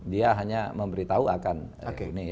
dia hanya memberitahu akan reuni